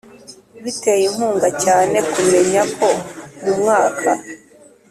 Biteye inkunga cyane kumenya ko mu mwaka